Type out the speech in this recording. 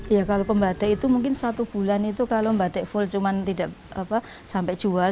ya kalau pembatik itu mungkin satu bulan itu kalau batik full cuma tidak sampai jual